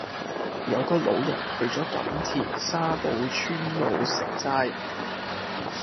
有個老人去左錦田沙埔村路食齋